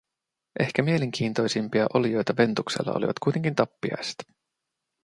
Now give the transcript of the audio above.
Ehkä mielenkiintoisimpia olioita Ventuksella olivat kuitenkin tappiaiset.